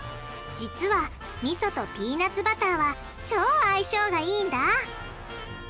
じつはみそとピーナツバターは超相性がいいんだ！